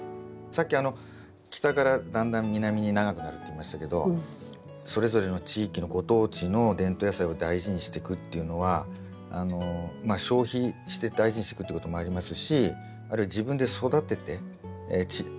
さっき北からだんだん南に長くなるって言いましたけどそれぞれの地域のご当地の伝統野菜を大事にしてくっていうのはまあ消費して大事にしていくってこともありますしあるいは自分で育ててタネが手に入ればですよ